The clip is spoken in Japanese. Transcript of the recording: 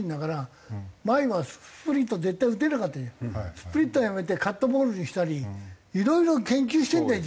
スプリットやめてカットボールにしたりいろいろ研究してるんだよ